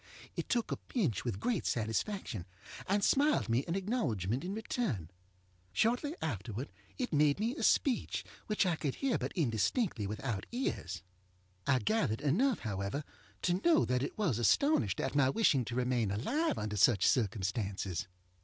It took a pinch with great satisfaction, and smiled me an acknowledgement in return. Shortly afterward it made me a speech, which I could hear but indistinctly without ears. I gathered enough, however, to know that it was astonished at my wishing to remain alive under such circumstances.